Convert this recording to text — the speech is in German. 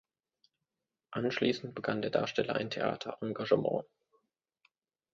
Anschließend begann der Darsteller ein Theater-Engagement.